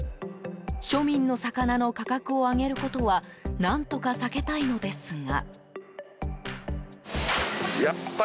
庶民の魚の価格を上げることは何とか避けたいのですが。